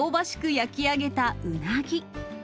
焼き上げたうなぎ。